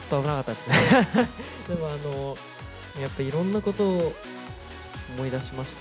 でもやっぱ、いろんなこと思い出しまして。